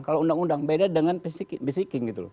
kalau undang undang beda dengan bisiking